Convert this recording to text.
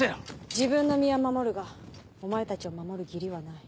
自分の身は守るがお前たちを守る義理はない。